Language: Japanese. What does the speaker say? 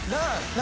何？